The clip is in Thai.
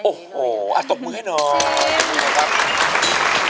โอ้โหอ่ะตกมือให้หน่อย